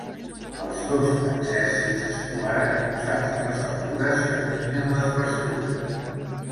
Els dos exèrcits es trobaren oposats a les altures que dominen les pastures.